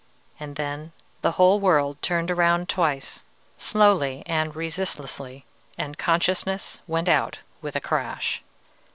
and then the whole world turned around twice, slowly and resistlessly, and consciousness went out with a crash.